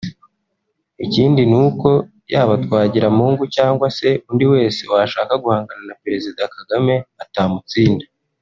Ikindi ni uko yaba Twagiramungu cyangwa se undi wese washaka guhangana na Perezida Kagame atamutsinda